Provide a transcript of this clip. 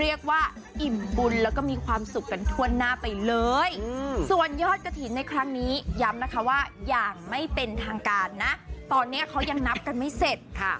ย้ำนะคะว่าอย่างไม่เป็นทางการนะตอนนี้เขายังนับกันไม่เสร็จ